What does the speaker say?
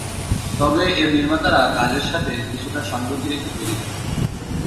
তবে এর নির্মাতারা কাজের সাথে কিছুটা সঙ্গতি রেখে তৈরি করে।